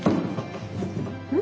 うん？